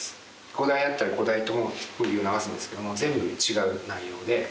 ５台あったら５台ともムービーを流すんですけども全部違う内容で。